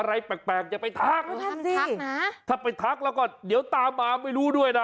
ถ้าไปทักละก่อนเดี๋ยวตามาไม่รู้ด้วยนะ